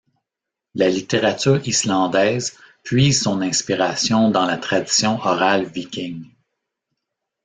La littérature islandaise puise son inspiration dans la tradition orale viking.